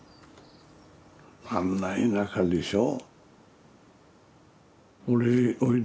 あんな田舎でしょ。